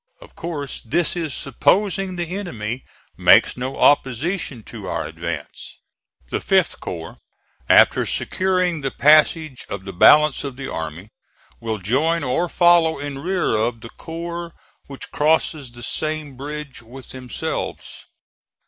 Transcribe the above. Of course, this is supposing the enemy makes no opposition to our advance. The 5th corps, after securing the passage of the balance of the army, will join or follow in rear of the corps which crosses the same bridge with themselves.